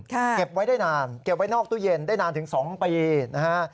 เก็บไว้ได้นานเก็บไว้นอกตู้เย็นได้นานถึง๒ปีนะฮะ